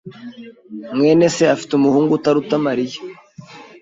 mwene se afite umuhungu utaruta Mariya.